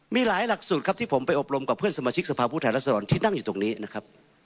มีหลายหลักสูตรครับที่ผมไปอบรมกับเพื่อนสมาชิกสภาพผู้แทนรัศดรที่นั่งอยู่ตรงนี้นะครับ